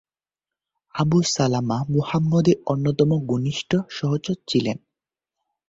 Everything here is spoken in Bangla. আবু সালামা মুহাম্মদের অন্যতম ঘনিষ্ঠ সহচর ছিলেন।